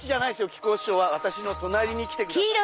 木久扇師匠は私の隣に来てくださいね。